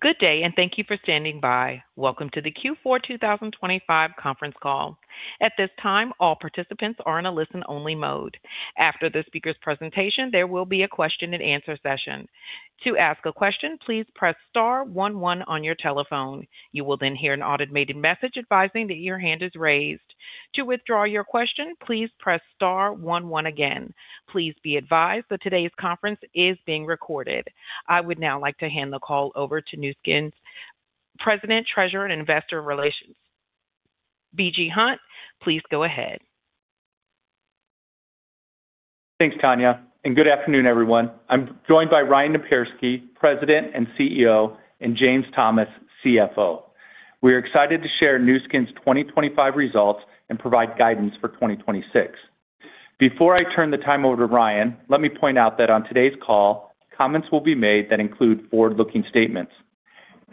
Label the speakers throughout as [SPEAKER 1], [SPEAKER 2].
[SPEAKER 1] Good day, and thank you for standing by. Welcome to the Q4 2025 conference call. At this time, all participants are in a listen-only mode. After the speaker's presentation, there will be a question-and-answer session. To ask a question, please press star one, one on your telephone. You will then hear an automated message advising that your hand is raised. To withdraw your question, please press star one, one again. Please be advised that today's conference is being recorded. I would now like to hand the call over to Nu Skin's Vice President, Treasurer, and Investor Relations, B.G. Hunt. Please go ahead.
[SPEAKER 2] Thanks, Tanya, and good afternoon, everyone. I'm joined by Ryan Napierski, President and CEO, and James Thomas, CFO. We are excited to share Nu Skin's 2025 results and provide guidance for 2026. Before I turn the time over to Ryan, let me point out that on today's call, comments will be made that include forward-looking statements.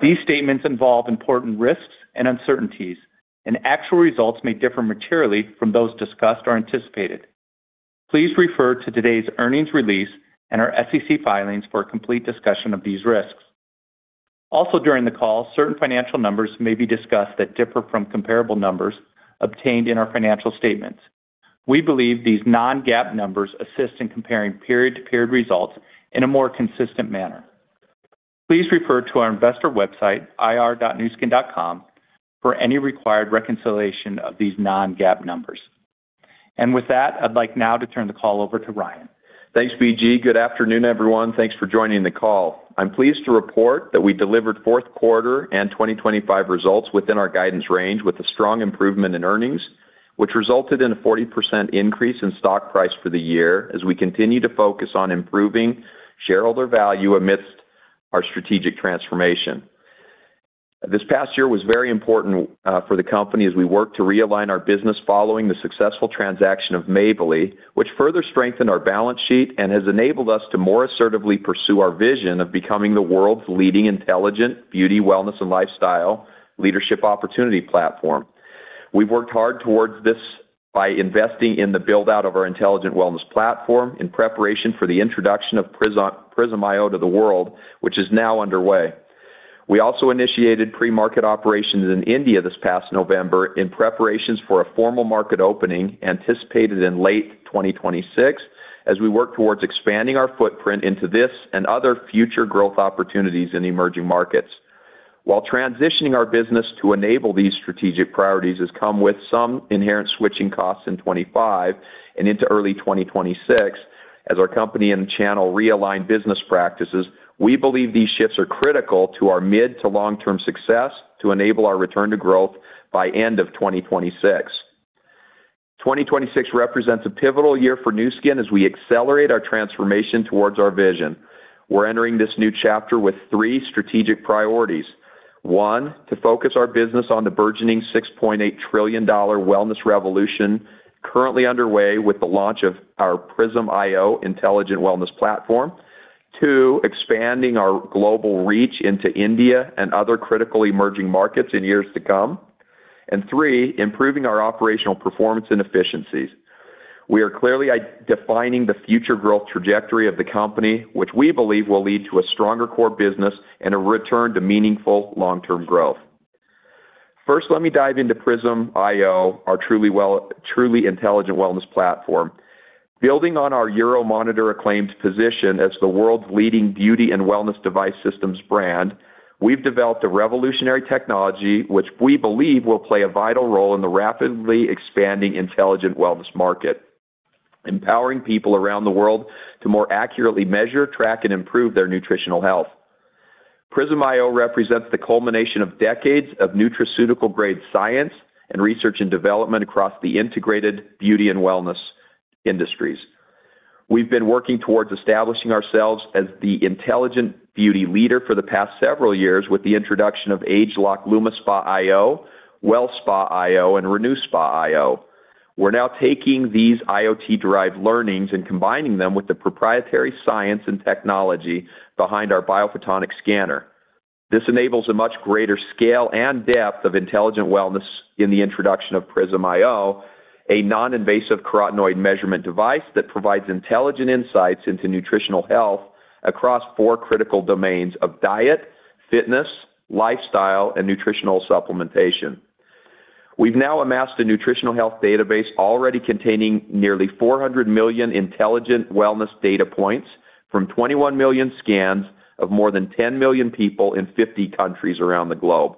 [SPEAKER 2] These statements involve important risks and uncertainties, and actual results may differ materially from those discussed or anticipated. Please refer to today's earnings release and our SEC filings for a complete discussion of these risks. Also, during the call, certain financial numbers may be discussed that differ from comparable numbers obtained in our financial statements. We believe these non-GAAP numbers assist in comparing period-to-period results in a more consistent manner. Please refer to our investor website, ir.nuskin.com, for any required reconciliation of these non-GAAP numbers. With that, I'd like now to turn the call over to Ryan.
[SPEAKER 3] Thanks, B.G. Good afternoon, everyone. Thanks for joining the call. I'm pleased to report that we delivered fourth quarter and 2025 results within our guidance range with a strong improvement in earnings, which resulted in a 40% increase in stock price for the year as we continue to focus on improving shareholder value amidst our strategic transformation. This past year was very important for the company as we worked to realign our business following the successful transaction of Mavely, which further strengthened our balance sheet and has enabled us to more assertively pursue our vision of becoming the world's leading intelligent beauty, wellness, and lifestyle leadership opportunity platform. We've worked hard towards this by investing in the build-out of our intelligent wellness platform in preparation for the introduction of Prysm iO to the world, which is now underway. We also initiated pre-market operations in India this past November in preparations for a formal market opening, anticipated in late 2026, as we work towards expanding our footprint into this and other future growth opportunities in the emerging markets. While transitioning our business to enable these strategic priorities has come with some inherent switching costs in 2025 and into early 2026, as our company and channel realign business practices, we believe these shifts are critical to our mid- to long-term success to enable our return to growth by end of 2026. 2026 represents a pivotal year for Nu Skin as we accelerate our transformation towards our vision. We're entering this new chapter with three strategic priorities: one, to focus our business on the burgeoning $6.8 trillion dollar wellness revolution currently underway with the launch of our Prysm iO Intelligent Wellness Platform. Two, expanding our global reach into India and other critical emerging markets in years to come. And three, improving our operational performance and efficiencies. We are clearly defining the future growth trajectory of the company, which we believe will lead to a stronger core business and a return to meaningful long-term growth. First, let me dive into Prysm iO, our truly intelligent wellness platform. Building on our Euromonitor acclaimed position as the world's leading beauty and wellness device systems brand, we've developed a revolutionary technology, which we believe will play a vital role in the rapidly expanding intelligent wellness market, empowering people around the world to more accurately measure, track, and improve their nutritional health. Prysm iO represents the culmination of decades of nutraceutical-grade science and research and development across the integrated beauty and wellness industries. We've been working towards establishing ourselves as the intelligent beauty leader for the past several years with the introduction of ageLOC LumiSpa iO, WellSpa iO, and RenuSpa iO. We're now taking these IoT-derived learnings and combining them with the proprietary science and technology behind our BioPhotonic Scanner. This enables a much greater scale and depth of intelligent wellness in the introduction of Prysm iO, a non-invasive carotenoid measurement device that provides intelligent insights into nutritional health across four critical domains of diet, fitness, lifestyle, and nutritional supplementation. We've now amassed a nutritional health database already containing nearly 400 million intelligent wellness data points from 21 million scans of more than 10 million people in 50 countries around the globe.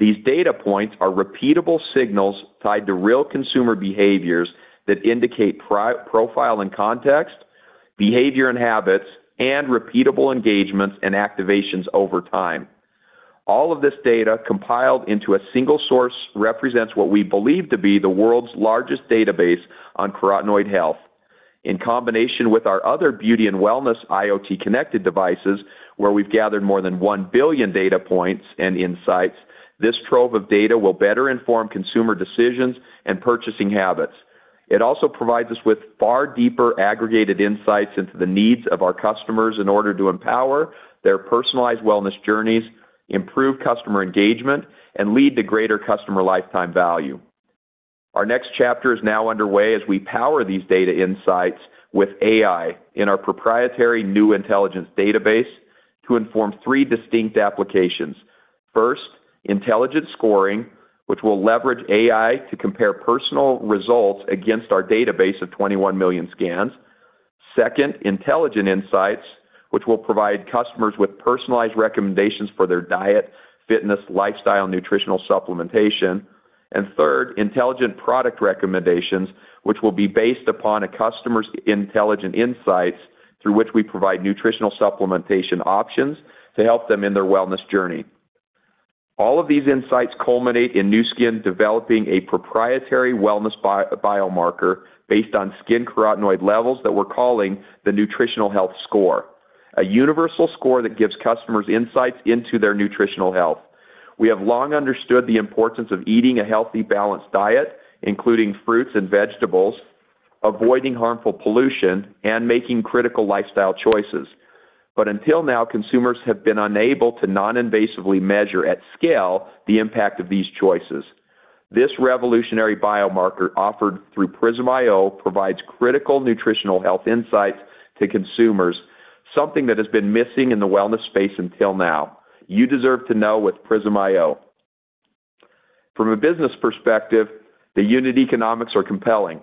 [SPEAKER 3] These data points are repeatable signals tied to real consumer behaviors that indicate profile and context, behavior and habits, and repeatable engagements and activations over time. All of this data, compiled into a single source, represents what we believe to be the world's largest database on carotenoid health. In combination with our other beauty and wellness IoT connected devices, where we've gathered more than 1 billion data points and insights, this trove of data will better inform consumer decisions and purchasing habits. It also provides us with far deeper aggregated insights into the needs of our customers in order to empower their personalized wellness journeys, improve customer engagement, and lead to greater customer lifetime value. Our next chapter is now underway as we power these data insights with AI in our proprietary new intelligence database to inform three distinct applications. First, intelligent scoring, which will leverage AI to compare personal results against our database of 21 million scans. Second, intelligent insights, which will provide customers with personalized recommendations for their diet, fitness, lifestyle, nutritional supplementation. And third, intelligent product recommendations, which will be based upon a customer's intelligent insights, through which we provide nutritional supplementation options to help them in their wellness journey. All of these insights culminate in Nu Skin developing a proprietary wellness biomarker based on skin carotenoid levels that we're calling the Nutritional Health Score, a universal score that gives customers insights into their nutritional health. We have long understood the importance of eating a healthy, balanced diet, including fruits and vegetables, avoiding harmful pollution, and making critical lifestyle choices. But until now, consumers have been unable to non-invasively measure at scale the impact of these choices. This revolutionary biomarker, offered through Prysm iO, provides critical nutritional health insights to consumers, something that has been missing in the wellness space until now. You deserve to know with Prysm iO. From a business perspective, the unit economics are compelling.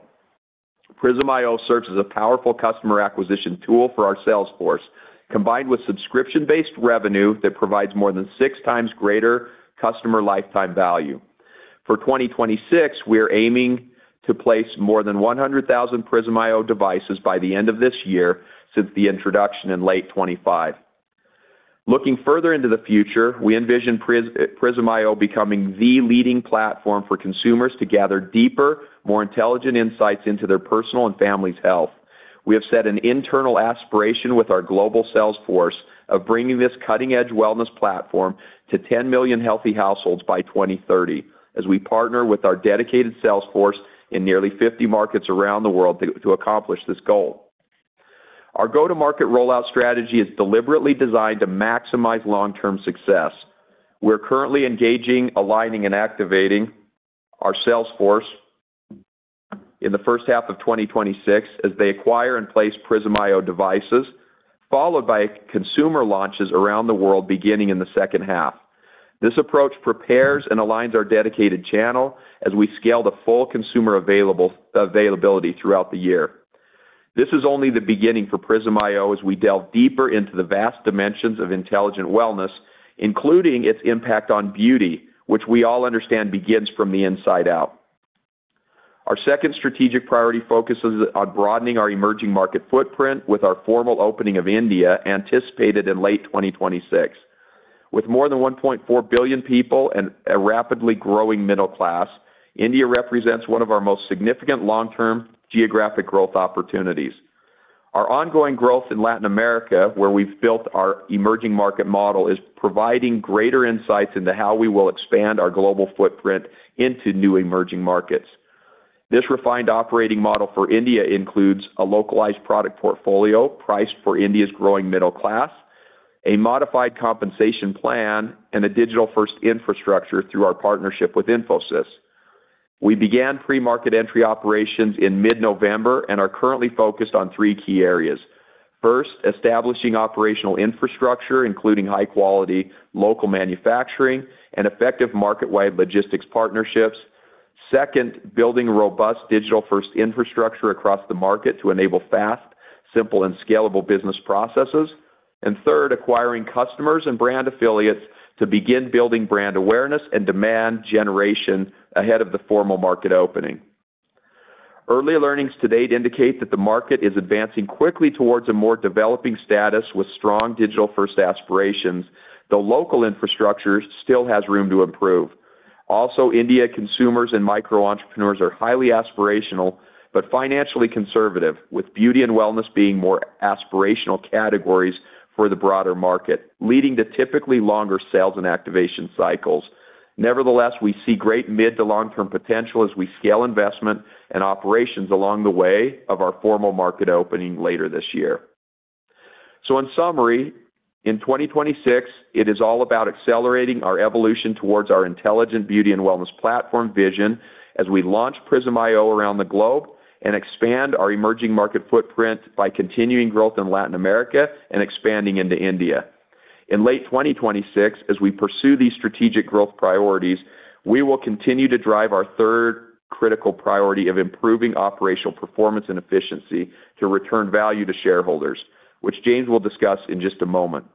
[SPEAKER 3] Prysm iO serves as a powerful customer acquisition tool for our sales force, combined with subscription-based revenue that provides more than six times greater customer lifetime value. For 2026, we are aiming to place more than 100,000 Prysm iO devices by the end of this year since the introduction in late 2025. Looking further into the future, we envision Prysm iO becoming the leading platform for consumers to gather deeper, more intelligent insights into their personal and family's health. We have set an internal aspiration with our global sales force of bringing this cutting-edge wellness platform to 10 million healthy households by 2030, as we partner with our dedicated sales force in nearly 50 markets around the world to accomplish this goal. Our go-to-market rollout strategy is deliberately designed to maximize long-term success. We're currently engaging, aligning, and activating our sales force in the first half of 2026 as they acquire and place Prysm iO devices, followed by consumer launches around the world beginning in the second half. This approach prepares and aligns our dedicated channel as we scale to full consumer availability throughout the year. This is only the beginning for Prysm iO as we delve deeper into the vast dimensions of intelligent wellness, including its impact on beauty, which we all understand begins from the inside out. Our second strategic priority focuses on broadening our emerging market footprint with our formal opening of India, anticipated in late 2026. With more than 1.4 billion people and a rapidly growing middle class, India represents one of our most significant long-term geographic growth opportunities. Our ongoing growth in Latin America, where we've built our emerging market model, is providing greater insights into how we will expand our global footprint into new emerging markets. This refined operating model for India includes a localized product portfolio priced for India's growing middle class, a modified compensation plan, and a digital-first infrastructure through our partnership with Infosys. We began pre-market entry operations in mid-November and are currently focused on three key areas. First, establishing operational infrastructure, including high-quality local manufacturing and effective market-wide logistics partnerships. Second, building a robust digital-first infrastructure across the market to enable fast, simple, and scalable business processes. And third, acquiring customers and brand affiliates to begin building brand awareness and demand generation ahead of the formal market opening. Early learnings to date indicate that the market is advancing quickly towards a more developing status with strong digital-first aspirations, though local infrastructure still has room to improve. Also, Indian consumers and micro-entrepreneurs are highly aspirational but financially conservative, with beauty and wellness being more aspirational categories for the broader market, leading to typically longer sales and activation cycles. Nevertheless, we see great mid to long-term potential as we scale investment and operations along the way of our formal market opening later this year. So in summary, in 2026, it is all about accelerating our evolution towards our intelligent beauty and wellness platform vision as we launch Prysm iO around the globe and expand our emerging market footprint by continuing growth in Latin America and expanding into India. In late 2026, as we pursue these strategic growth priorities, we will continue to drive our third critical priority of improving operational performance and efficiency to return value to shareholders, which James will discuss in just a moment.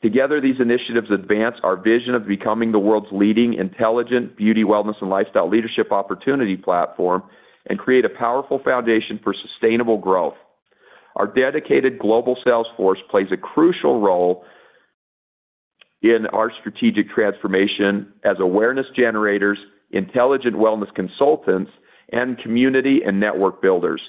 [SPEAKER 3] Together, these initiatives advance our vision of becoming the world's leading intelligent beauty, wellness, and lifestyle leadership opportunity platform, and create a powerful foundation for sustainable growth. Our dedicated global sales force plays a crucial role in our strategic transformation as awareness generators, intelligent wellness consultants, and community and network builders.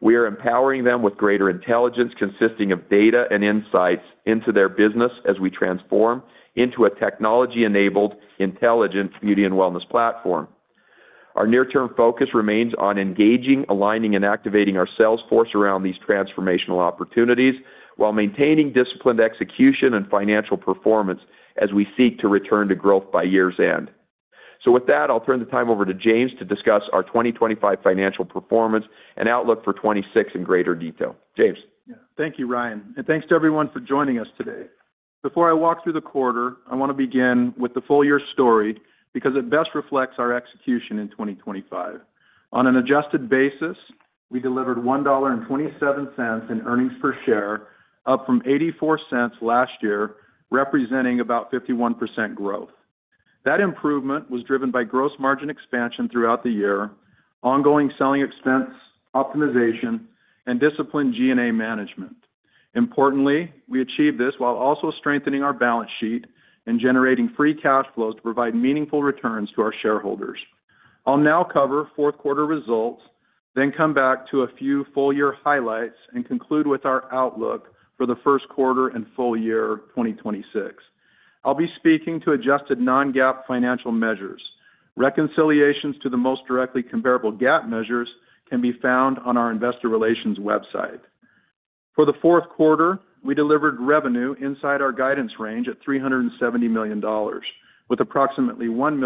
[SPEAKER 3] We are empowering them with greater intelligence consisting of data and insights into their business as we transform into a technology-enabled, intelligent beauty and wellness platform. Our near-term focus remains on engaging, aligning, and activating our sales force around these transformational opportunities, while maintaining disciplined execution and financial performance as we seek to return to growth by year's end.... So, with that, I'll turn the time over to James to discuss our 2025 financial performance and outlook for 2026 in greater detail. James?
[SPEAKER 4] Thank you, Ryan, and thanks to everyone for joining us today. Before I walk through the quarter, I want to begin with the full year story, because it best reflects our execution in 2025. On an adjusted basis, we delivered $1.27 in earnings per share, up from $0.84 last year, representing about 51% growth. That improvement was driven by gross margin expansion throughout the year, ongoing selling expense optimization, and disciplined G&A management. Importantly, we achieved this while also strengthening our balance sheet and generating free cash flows to provide meaningful returns to our shareholders. I'll now cover fourth quarter results, then come back to a few full year highlights and conclude with our outlook for the first quarter and full year of 2026. I'll be speaking to adjusted non-GAAP financial measures. Reconciliations to the most directly comparable GAAP measures can be found on our investor relations website. For the fourth quarter, we delivered revenue inside our guidance range at $370 million, with approximately $1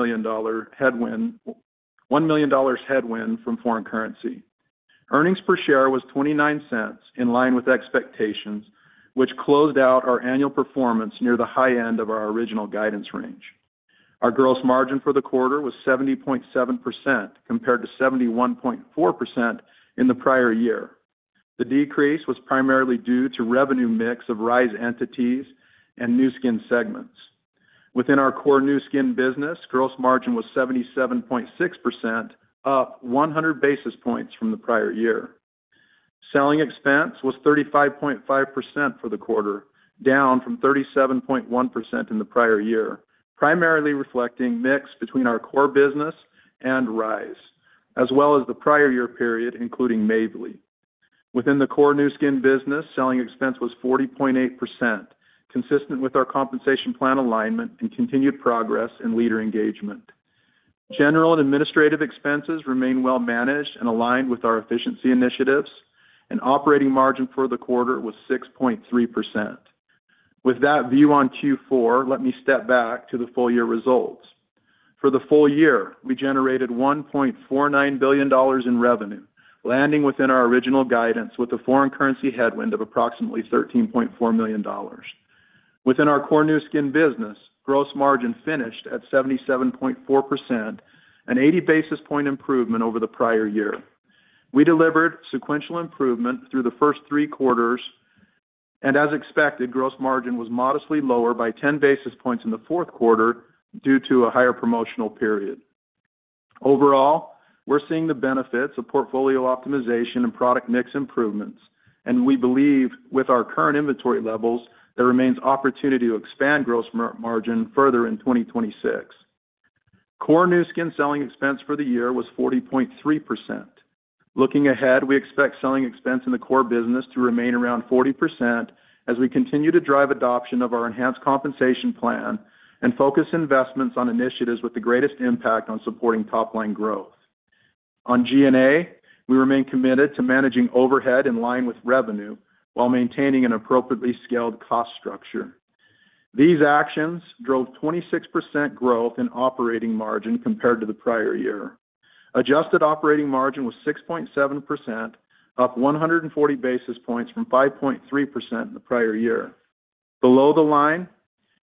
[SPEAKER 4] million headwind from foreign currency. Earnings per share was $0.29, in line with expectations, which closed out our annual performance near the high end of our original guidance range. Our gross margin for the quarter was 70.7%, compared to 71.4% in the prior year. The decrease was primarily due to revenue mix of Rhyz entities and Nu Skin segments. Within our core Nu Skin business, gross margin was 77.6%, up 100 basis points from the prior year. Selling expense was 35.5% for the quarter, down from 37.1% in the prior year, primarily reflecting mix between our core business and Rhyz, as well as the prior year period, including Mavely. Within the core Nu Skin business, selling expense was 40.8%, consistent with our compensation plan alignment and continued progress in leader engagement. General and administrative expenses remain well managed and aligned with our efficiency initiatives, and operating margin for the quarter was 6.3%. With that view on Q4, let me step back to the full year results. For the full year, we generated $1.49 billion in revenue, landing within our original guidance with a foreign currency headwind of approximately $13.4 million. Within our core Nu Skin business, gross margin finished at 77.4%, an 80 basis point improvement over the prior year. We delivered sequential improvement through the first three quarters, and as expected, gross margin was modestly lower by 10 basis points in the fourth quarter due to a higher promotional period. Overall, we're seeing the benefits of portfolio optimization and product mix improvements, and we believe with our current inventory levels, there remains opportunity to expand gross margin further in 2026. Core Nu Skin selling expense for the year was 40.3%. Looking ahead, we expect selling expense in the core business to remain around 40% as we continue to drive adoption of our enhanced compensation plan and focus investments on initiatives with the greatest impact on supporting top-line growth. On G&A, we remain committed to managing overhead in line with revenue while maintaining an appropriately scaled cost structure. These actions drove 26% growth in operating margin compared to the prior year. Adjusted operating margin was 6.7%, up 140 basis points from 5.3% in the prior year. Below the line,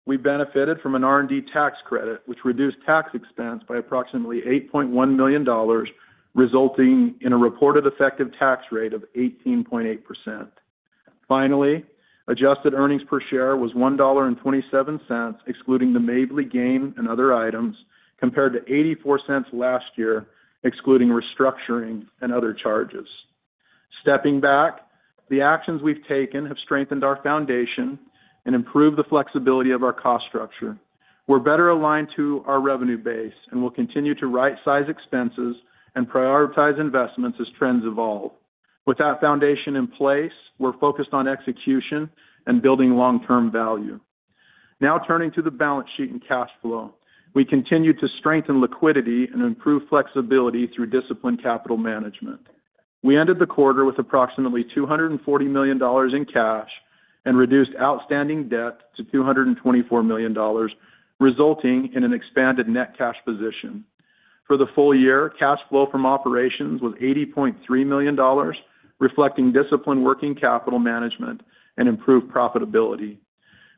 [SPEAKER 4] we benefited from an R&D tax credit, which reduced tax expense by approximately $8.1 million, resulting in a reported effective tax rate of 18.8%. Finally, adjusted earnings per share was $1.27, excluding the Mavely gain and other items, compared to $0.84 last year, excluding restructuring and other charges. Stepping back, the actions we've taken have strengthened our foundation and improved the flexibility of our cost structure. We're better aligned to our revenue base, and we'll continue to rightsize expenses and prioritize investments as trends evolve. With that foundation in place, we're focused on execution and building long-term value. Now, turning to the balance sheet and cash flow. We continue to strengthen liquidity and improve flexibility through disciplined capital management. We ended the quarter with approximately $240 million in cash and reduced outstanding debt to $224 million, resulting in an expanded net cash position. For the full year, cash flow from operations was $80.3 million, reflecting disciplined working capital management and improved profitability.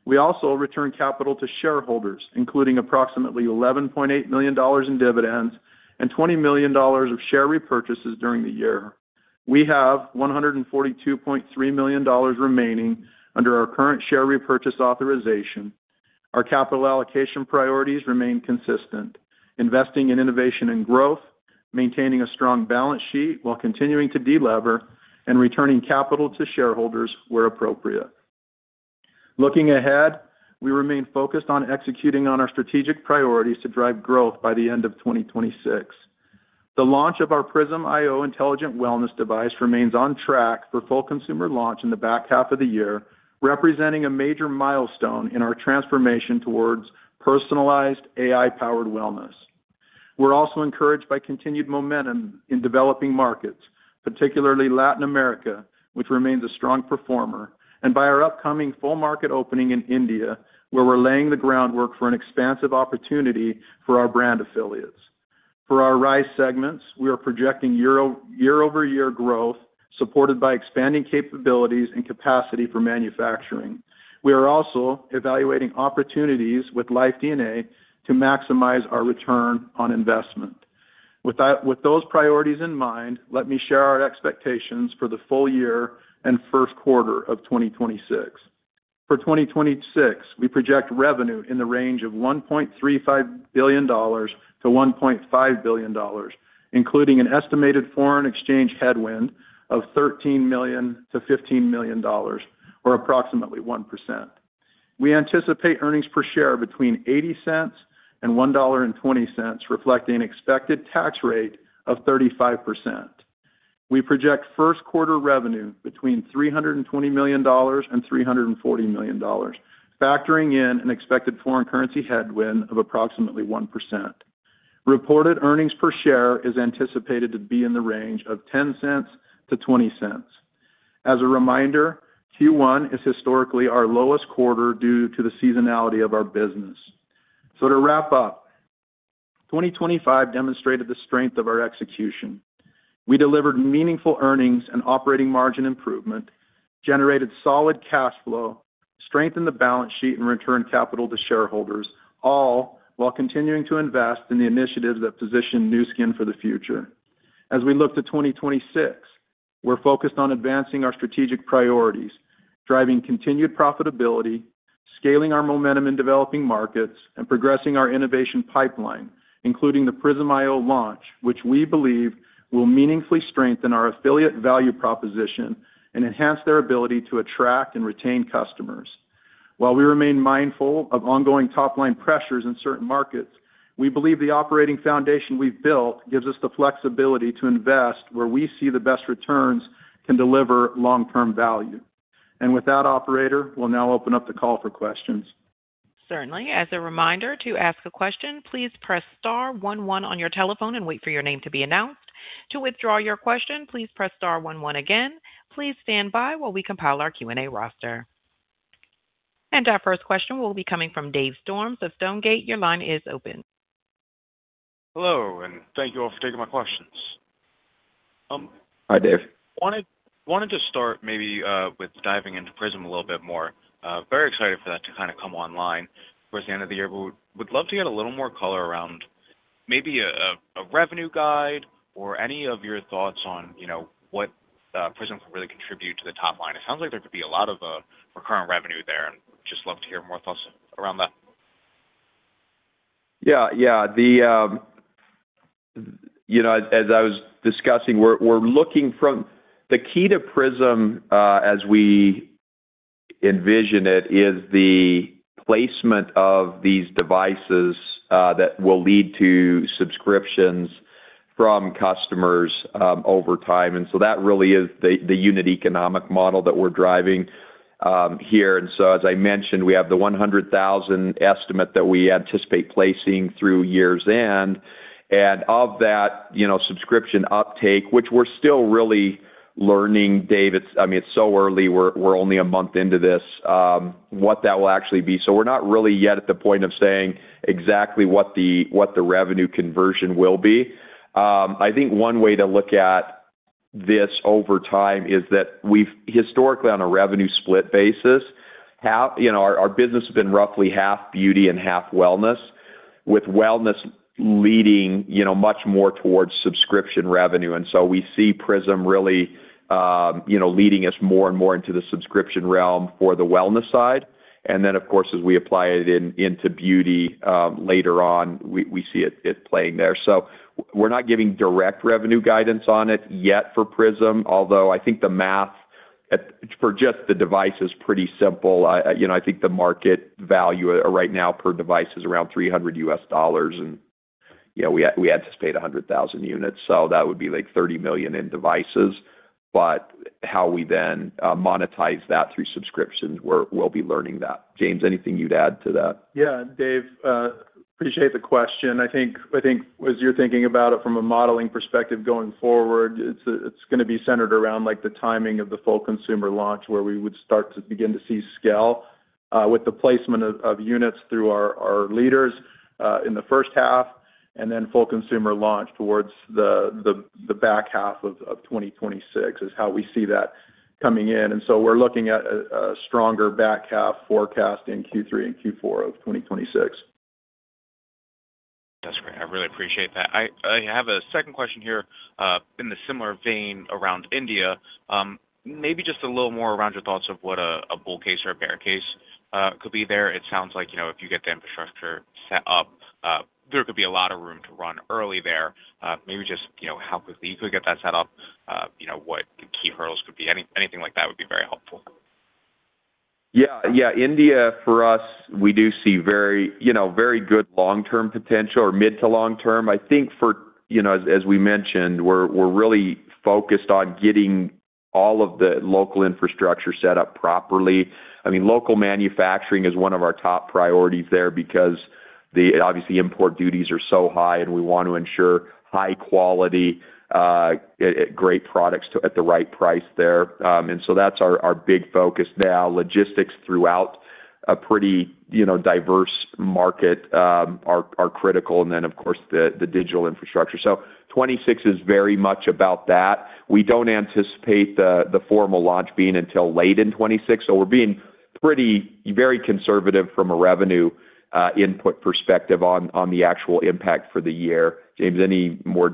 [SPEAKER 4] We also returned capital to shareholders, including approximately $11.8 million in dividends and $20 million of share repurchases during the year. We have $142.3 million remaining under our current share repurchase authorization. Our capital allocation priorities remain consistent, investing in innovation and growth, maintaining a strong balance sheet while continuing to delever, and returning capital to shareholders where appropriate. Looking ahead, we remain focused on executing on our strategic priorities to drive growth by the end of 2026. The launch of our Prysm iO intelligent wellness device remains on track for full consumer launch in the back half of the year, representing a major milestone in our transformation towards personalized AI-powered wellness. We're also encouraged by continued momentum in developing markets, particularly Latin America, which remains a strong performer, and by our upcoming full market opening in India, where we're laying the groundwork for an expansive opportunity for our brand affiliates. For our Rhyz segments, we are projecting year-over-year growth, supported by expanding capabilities and capacity for manufacturing. We are also evaluating opportunities with LifeDNA to maximize our return on investment. With that, with those priorities in mind, let me share our expectations for the full year and first quarter of 2026. For 2026, we project revenue in the range of $1.35 billion-$1.5 billion, including an estimated foreign exchange headwind of $13 million-$15 million, or approximately 1%. We anticipate earnings per share between $0.80 and $1.20, reflecting an expected tax rate of 35%. We project first quarter revenue between $320 million and $340 million, factoring in an expected foreign currency headwind of approximately 1%. Reported earnings per share is anticipated to be in the range of $0.10-$0.20. As a reminder, Q1 is historically our lowest quarter due to the seasonality of our business. So to wrap up, 2025 demonstrated the strength of our execution. We delivered meaningful earnings and operating margin improvement, generated solid cash flow, strengthened the balance sheet and returned capital to shareholders, all while continuing to invest in the initiatives that position Nu Skin for the future. As we look to 2026, we're focused on advancing our strategic priorities, driving continued profitability, scaling our momentum in developing markets, and progressing our innovation pipeline, including the Prysm iO launch, which we believe will meaningfully strengthen our affiliate value proposition and enhance their ability to attract and retain customers. While we remain mindful of ongoing top-line pressures in certain markets, we believe the operating foundation we've built gives us the flexibility to invest where we see the best returns can deliver long-term value. With that, operator, we'll now open up the call for questions.
[SPEAKER 1] Certainly. As a reminder, to ask a question, please press star one one on your telephone and wait for your name to be announced. To withdraw your question, please press star one one again. Please stand by while we compile our Q&A roster. Our first question will be coming from Dave Storms of Stonegate. Your line is open.
[SPEAKER 5] Hello, and thank you all for taking my questions.
[SPEAKER 4] Hi, Dave.
[SPEAKER 5] Wanted to start maybe with diving into Prysm a little bit more. Very excited for that to kind of come online towards the end of the year, but would love to get a little more color around maybe a revenue guide or any of your thoughts on, you know, what Prysm could really contribute to the top line. It sounds like there could be a lot of recurring revenue there, and just love to hear more thoughts around that.
[SPEAKER 3] Yeah. Yeah. The, you know, as I was discussing, we're, we're looking from the key to Prysm, as we envision it, is the placement of these devices, that will lead to subscriptions from customers, over time. And so that really is the, the unit economic model that we're driving, here. And so, as I mentioned, we have the 100,000 estimate that we anticipate placing through year's end. And of that, you know, subscription uptake, which we're still really learning, Dave, it's I mean, it's so early, we're, we're only a month into this, what that will actually be. So we're not really yet at the point of saying exactly what the, what the revenue conversion will be. I think one way to look at this over time is that we've historically, on a revenue split basis, half, you know, our business has been roughly half beauty and half wellness, with wellness leading, you know, much more towards subscription revenue. And so we see Prysm really, you know, leading us more and more into the subscription realm for the wellness side. And then, of course, as we apply it into beauty later on, we see it playing there. So we're not giving direct revenue guidance on it yet for Prysm, although I think the math for just the device is pretty simple. I, you know, I think the market value right now per device is around $300, and, you know, we anticipate 100,000 units, so that would be, like, $30 million in devices. But how we then monetize that through subscriptions, we'll be learning that. James, anything you'd add to that?
[SPEAKER 4] Yeah, Dave, appreciate the question. I think as you're thinking about it from a modeling perspective going forward, it's gonna be centered around, like, the timing of the full consumer launch, where we would start to begin to see scale with the placement of units through our leaders in the first half, and then full consumer launch towards the back half of 2026, is how we see that coming in. And so we're looking at a stronger back half forecast in Q3 and Q4 of 2026.
[SPEAKER 5] That's great. I really appreciate that. I have a second question here in the similar vein around India. Maybe just a little more around your thoughts of what a bull case or a bear case could be there. It sounds like, you know, if you get the infrastructure set up, there could be a lot of room to run early there. Maybe just, you know, how quickly you could get that set up, you know, what the key hurdles could be? Anything like that would be very helpful.
[SPEAKER 3] Yeah, yeah. India, for us, we do see very, you know, very good long-term potential or mid- to long-term. I think for... You know, as we mentioned, we're really focused on getting-... all of the local infrastructure set up properly. I mean, local manufacturing is one of our top priorities there because the, obviously, import duties are so high, and we want to ensure high quality, great products to at the right price there. And so that's our big focus now. Logistics throughout a pretty, you know, diverse market, are critical, and then, of course, the digital infrastructure. So 2026 is very much about that. We don't anticipate the formal launch being until late in 2026, so we're being pretty, very conservative from a revenue input perspective on the actual impact for the year. James, any more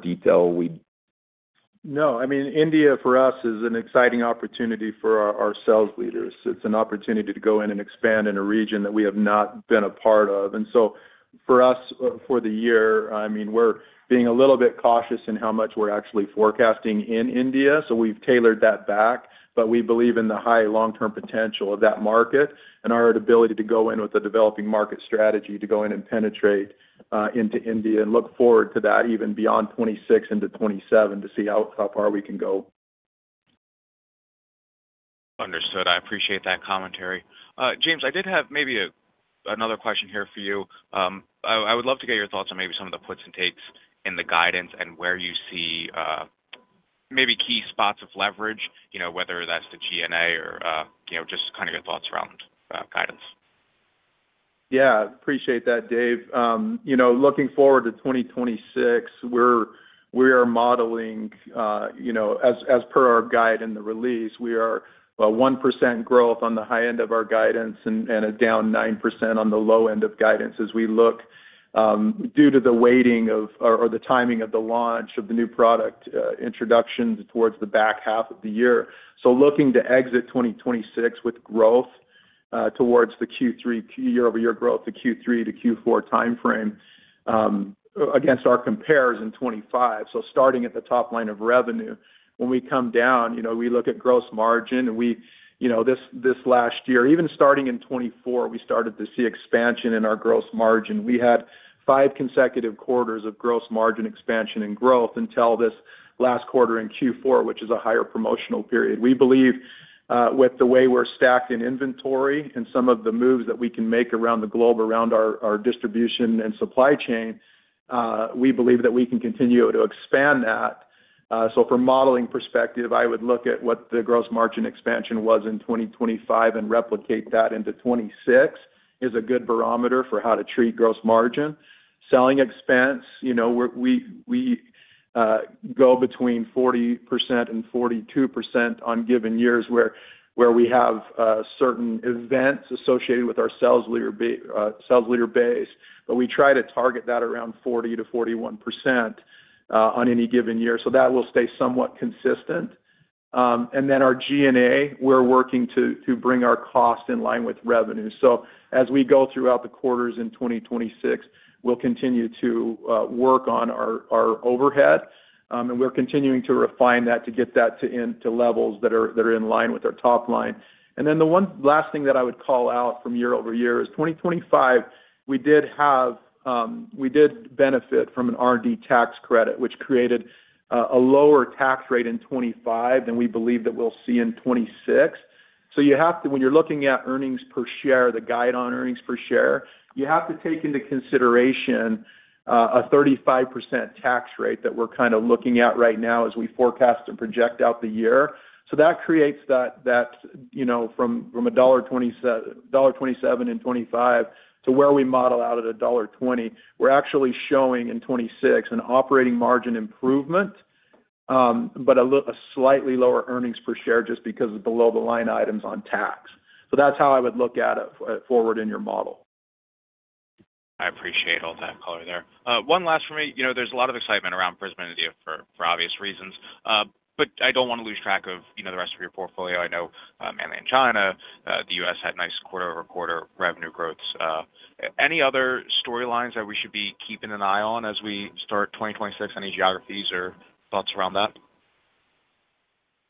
[SPEAKER 3] detail we-
[SPEAKER 4] No. I mean, India, for us, is an exciting opportunity for our sales leaders. It's an opportunity to go in and expand in a region that we have not been a part of. And so for us, for the year, I mean, we're being a little bit cautious in how much we're actually forecasting in India, so we've tailored that back. But we believe in the high long-term potential of that market and our ability to go in with a developing market strategy, to go in and penetrate into India and look forward to that, even beyond 2026 into 2027, to see how far we can go.
[SPEAKER 5] Understood. I appreciate that commentary. James, I did have maybe another question here for you. I would love to get your thoughts on maybe some of the puts and takes in the guidance and where you see maybe key spots of leverage, you know, whether that's the GNA or, you know, just kind of your thoughts around guidance.
[SPEAKER 4] Yeah, appreciate that, Dave. You know, looking forward to 2026, we are modeling, you know, as per our guide in the release, we are, 1% growth on the high end of our guidance and a down 9% on the low end of guidance as we look, due to the weighting of, or the timing of the launch of the new product, introductions towards the back half of the year. So looking to exit 2026 with growth, towards the Q3 year-over-year growth to Q3 to Q4 timeframe, against our compares in 2025. So starting at the top line of revenue, when we come down, you know, we look at gross margin, and we, you know, this last year, even starting in 2024, we started to see expansion in our gross margin. We had five consecutive quarters of gross margin expansion and growth until this last quarter in Q4, which is a higher promotional period. We believe, with the way we're stacked in inventory and some of the moves that we can make around the globe, around our distribution and supply chain, we believe that we can continue to expand that. So from modeling perspective, I would look at what the gross margin expansion was in 2025 and replicate that into 2026, is a good barometer for how to treat gross margin. Selling expense, you know, we go between 40% and 42% in given years, where we have certain events associated with our sales leader base, but we try to target that around 40%-41%, on any given year. So that will stay somewhat consistent. And then our GNA, we're working to, to bring our cost in line with revenue. So as we go throughout the quarters in 2026, we'll continue to, work on our, our overhead, and we're continuing to refine that to get that to in, to levels that are, that are in line with our top line. And then the one last thing that I would call out from year-over-year is, 2025, we did have, we did benefit from an R&D tax credit, which created, a lower tax rate in 2025 than we believe that we'll see in 2026. So you have to—when you're looking at earnings per share, the guide on earnings per share, you have to take into consideration a 35% tax rate that we're kind of looking at right now as we forecast and project out the year. So that creates that, you know, from a $1.27 in 2025 to where we model out at a $1.20. We're actually showing in 2026 an operating margin improvement, but a slightly lower earnings per share just because of the below the line items on tax. So that's how I would look at it, forward in your model.
[SPEAKER 5] I appreciate all that color there. One last for me. You know, there's a lot of excitement around Prysm in India for, for obvious reasons, but I don't want to lose track of, you know, the rest of your portfolio. I know, mainly in China, the U.S. had nice quarter-over-quarter revenue growth. Any other storylines that we should be keeping an eye on as we start 2026? Any geographies or thoughts around that?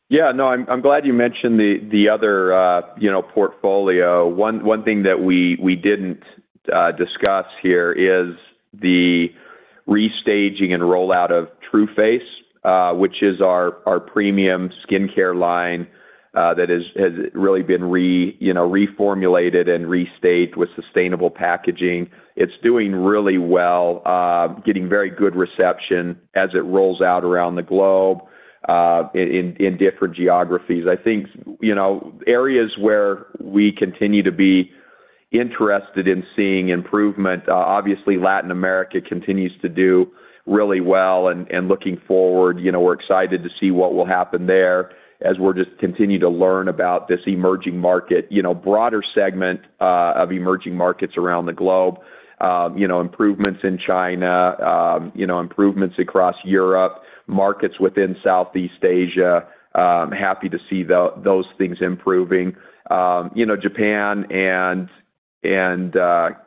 [SPEAKER 3] Yeah. No, I'm glad you mentioned the other, you know, portfolio. One thing that we didn't discuss here is the restaging and rollout of Tru Face, which is our premium skincare line, that has really been, you know, reformulated and restaged with sustainable packaging. It's doing really well, getting very good reception as it rolls out around the globe, in different geographies. I think, you know, areas where we continue to be interested in seeing improvement, obviously, Latin America continues to do really well. And looking forward, you know, we're excited to see what will happen there as we're just continue to learn about this emerging market. You know, broader segment of emerging markets around the globe, you know, improvements in China, you know, improvements across Europe, markets within Southeast Asia, happy to see those things improving. You know, Japan and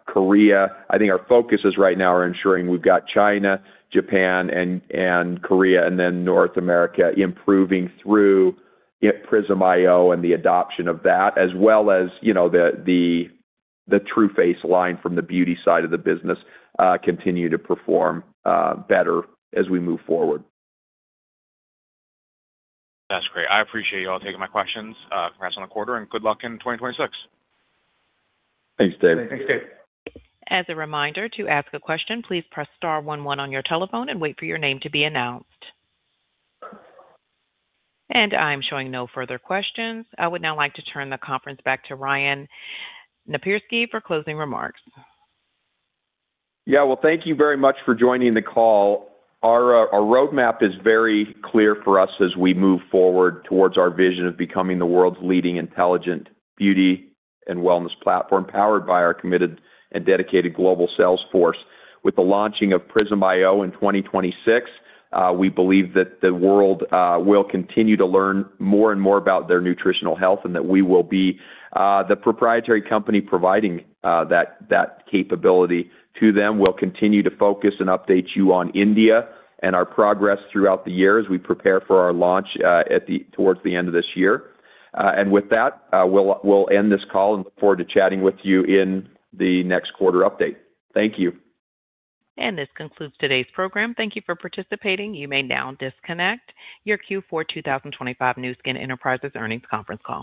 [SPEAKER 3] Korea, I think our focuses right now are ensuring we've got China, Japan, and Korea, and then North America improving through Prysm iO and the adoption of that, as well as, you know, the Tru Face line from the beauty side of the business, continue to perform better as we move forward.
[SPEAKER 5] That's great. I appreciate you all taking my questions. Congrats on the quarter, and good luck in 2026.
[SPEAKER 3] Thanks, Dave.
[SPEAKER 4] Thanks, Dave.
[SPEAKER 1] As a reminder, to ask a question, please press star one one on your telephone and wait for your name to be announced. I'm showing no further questions. I would now like to turn the conference back to Ryan Napierski for closing remarks.
[SPEAKER 3] Yeah. Well, thank you very much for joining the call. Our roadmap is very clear for us as we move forward towards our vision of becoming the world's leading intelligent beauty and wellness platform, powered by our committed and dedicated global sales force. With the launching of Prysm iO in 2026, we believe that the world will continue to learn more and more about their nutritional health, and that we will be the proprietary company providing that capability to them. We'll continue to focus and update you on India and our progress throughout the year as we prepare for our launch towards the end of this year. And with that, we'll end this call and look forward to chatting with you in the next quarter update. Thank you.
[SPEAKER 1] This concludes today's program. Thank you for participating. You may now disconnect your Q4 2025 Nu Skin Enterprises Earnings Conference Call.